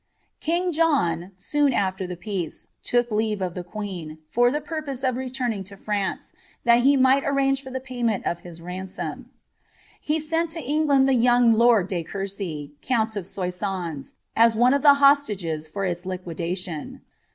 King John, soon af^ the peace, took leave of the queen, for the pur me cf returning to France, that he might arrange for the payment of ■ ransom : he sent to England the youn£ lord de Courcy, count of wBBons, as one of the hostages for its liquioation.